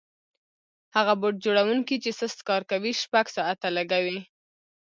هغه بوټ جوړونکی چې سست کار کوي شپږ ساعته لګوي.